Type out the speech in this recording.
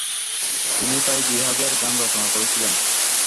তিনি প্রায় দুই হাজার গান রচনা করেছিলেন।